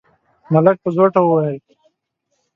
ملک په زوټه وويل: